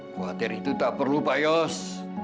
khawatir itu tak perlu pak yos